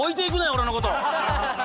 俺のこと！